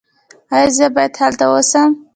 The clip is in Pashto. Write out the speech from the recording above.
ایا زه باید هلته اوسم؟